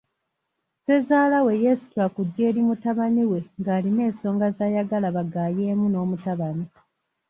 Ssezaalawe yeesitula kujja eri mutabani ng'alina ensonga zaayagala bagaayemu n'omutabani.